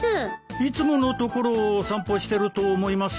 いつもの所を散歩してると思いますよ。